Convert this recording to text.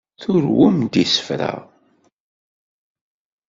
Turwem-d isefra.